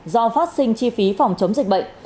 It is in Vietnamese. do phát sinh chi phí phòng chống dịch bệnh